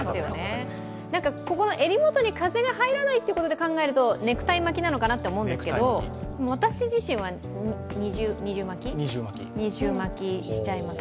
襟元に風が入らないってことで考えるとネクタイ巻きなのかなと思うんですけど私自身は二重巻きしちゃいます。